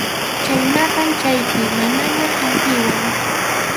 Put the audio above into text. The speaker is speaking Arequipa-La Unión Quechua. Chhaynatam chaypi mamaña hampiwan.